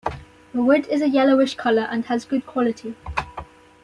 The wood is a yellowish color and has a good quality.